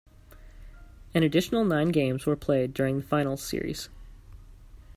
An additional nine games were played during the finals series.